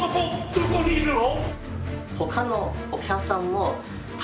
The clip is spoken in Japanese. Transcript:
どこにいるの？